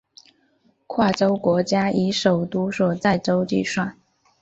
跨洲国家以首都所在洲计算。